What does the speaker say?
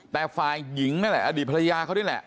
แต่ฝ่ายหญิงนั่นแหละอดีตภรรยาเขานี่แหละ